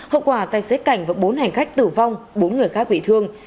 hậu quả tài xế cảnh và bốn hành khách tử vong bốn người khác bị thương